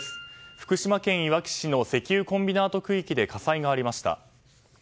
福島県いわき市の石油コンビナート区域で火災がありました。